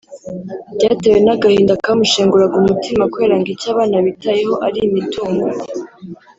byatewe n’agahinda kamushenguraga umutima kubera ko ngo icyo abana bitayeho ari imitungo